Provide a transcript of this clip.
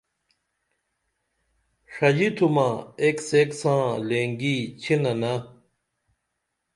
ݜژی تھومہ ایک سیک ساں لینگی چھننہ